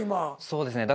そうですね。